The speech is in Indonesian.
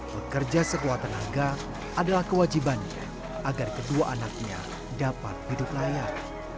bekerja sekuat tenaga adalah kewajibannya agar kedua anaknya dapat hidup layak